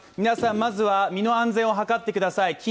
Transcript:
皆さん、まずは身の安全をはかってくださいあ。